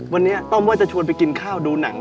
วันนี้ต้อมว่าจะชวนไปกินข้าวดูหนัง